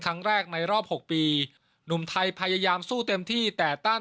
ครั้งแรกในรอบหกปีหนุ่มไทยพยายามสู้เต็มที่แต่ต้าน